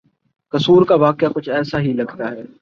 قصور کا واقعہ کچھ ایسا ہی لگتا ہے۔